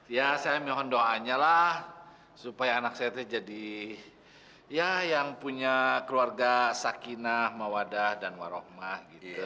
ya saya mohon doanya lah supaya anak saya itu jadi ya yang punya keluarga sakinah mawadah dan warohmah gitu